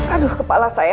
aduh kepala saya